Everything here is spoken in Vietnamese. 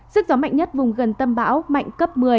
sức gió mạnh nhất vùng gần tâm bão mạnh cấp một mươi